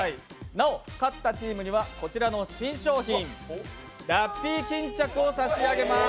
なお、勝ったチームにはこちらの新商品、ラッピー巾着を差し上げます。